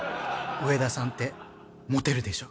上田さんってモテるでしょ？